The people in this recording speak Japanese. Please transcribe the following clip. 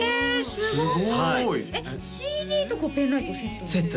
すごいすごいえっＣＤとペンライトセット？